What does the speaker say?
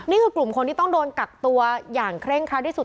นี่คือกลุ่มคนที่ต้องโดนกักตัวอย่างเคร่งครัดที่สุด